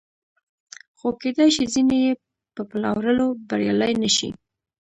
خو کېدای شي ځینې یې په پلورلو بریالي نشي